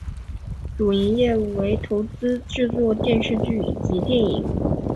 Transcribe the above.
主营业务为投资制作电视剧以及电影。